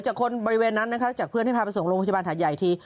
จากคนบริเวณนั้นนะคะจากเพื่อนให้พาไปส่งโรงพยาบาลหาดใหญ่ที